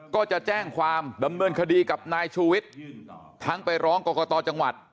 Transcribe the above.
ก็จะแจ้งความดำเนินคดีกับนายชูวิทย์ทั้งไปร้องกรกตจังหวัด